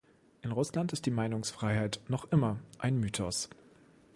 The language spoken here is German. In Russland ist die Meinungsfreiheit noch immer ein Mythos.